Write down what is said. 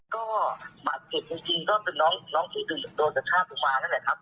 ก็หมัก๑๘จริงก็เป็นน้องเฮดื่นโดนจัดห้าบลุงมาว่ะนะครับ